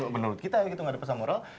menurut kita ya gitu gak ada pesan moral